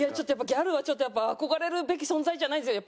ギャルはちょっとやっぱり憧れるべき存在じゃないんですよ。